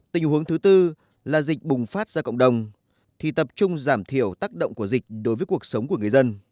tình huống thứ tư là dịch bùng phát ra cộng đồng thì tập trung giảm thiểu tác động của dịch đối với cuộc sống của người dân